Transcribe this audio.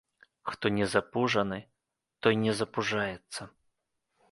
Хто не запужаны, той не запужаецца.